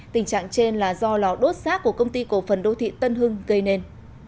tình trạng trên là do lò đốt rác của công ty cổ phần đô thị tân hưng gây nên